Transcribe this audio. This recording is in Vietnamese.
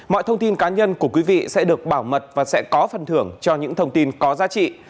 mọi thông tin cá nhân của quý vị sẽ được bảo mật và sẽ có phần thưởng cho những thông tin có giá trị